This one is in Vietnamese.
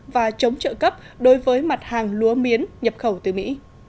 và chống trợ cấp đối với mặt hàng lúa miến nhập khẩu từ mỹ